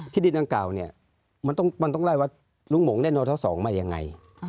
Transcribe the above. ที่ดินตั้งเก่าเนี่ยมันต้องไล่ว่าลุงหมองได้โนท๒มายังไง